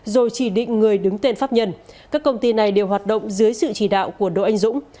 rồi chỉ định người đứng tên pháp nhân các công ty này đều hoạt động dưới sự chỉ đạo của đỗ anh dũng